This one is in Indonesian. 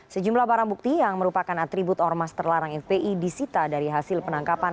sejumlah barang bukti yang merupakan atribut ormas terlarang fpi disita dari hasil penangkapan